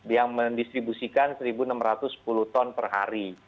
yang mendistribusikan satu enam ratus sepuluh ton per hari